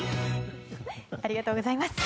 ありがとうございます。